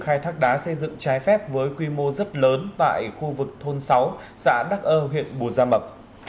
khai thác đá xây dựng trái phép với quy mô rất lớn tại khu vực thôn sáu xã đắc ơ huyện bù gia mập